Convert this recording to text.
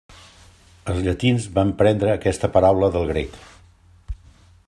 Els llatins van prendre aquesta paraula del grec.